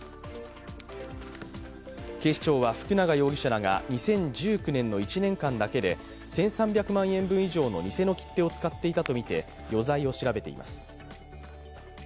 警視庁は、福永容疑者らが２０１９年の１年間だけで１３００万円分以上の偽の切手を使っていたとみて余罪を調べています。